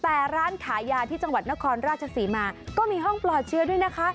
แต่ร้านขายยาที่จังหวัดนครราชศรีมาก็มีห้องปลอดเชื้อด้วยนะคะ